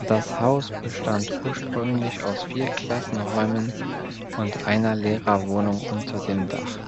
Das Haus bestand ursprünglich aus vier Klassenräumen und einer Lehrerwohnung unter dem Dach.